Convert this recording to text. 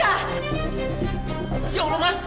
ya allah mal